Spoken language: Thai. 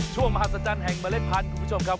มหาศจรรย์แห่งเมล็ดพันธุ์คุณผู้ชมครับ